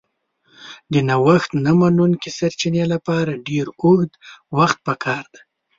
د نوښت نه منونکي سرچینې لپاره ډېر اوږد وخت پکار دی.